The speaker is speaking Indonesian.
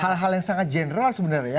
jadi hal hal yang sangat general sebenarnya ya